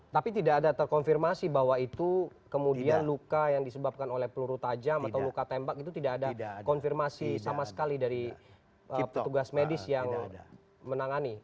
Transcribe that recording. tapi tidak ada terkonfirmasi bahwa itu kemudian luka yang disebabkan oleh peluru tajam atau luka tembak itu tidak ada konfirmasi sama sekali dari petugas medis yang menangani